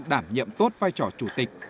đảm nhiệm tốt vai trò chủ tịch